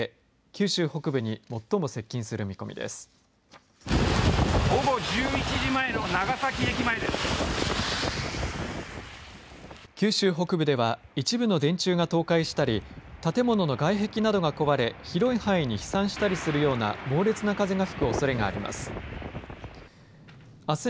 九州北部では一部の電柱が倒壊したり建物の外壁などが壊れ広い範囲に飛散したりするような猛烈な風が吹くおそれがあります。